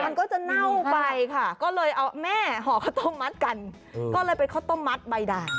มันก็จะเน่าไปค่ะก็เลยเอาแม่ห่อข้าวต้มมัดกันก็เลยเป็นข้าวต้มมัดใบด่าง